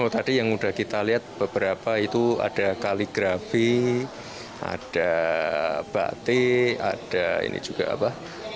tadi yang udah kita lihat beberapa itu ada kaligrafi ada batik ada ini juga apa